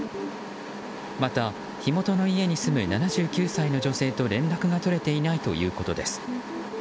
また、火元の家に住む７９歳の女性と連絡が取れていないということです。